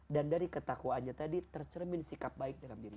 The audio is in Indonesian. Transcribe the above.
dan dari ketakuan tercermin sikap baik dalam diri